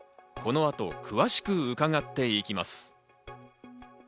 この後、詳しく伺っていきます。